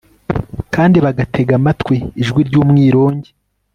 kandi bagatega amatwi ijwi ry'umwirongi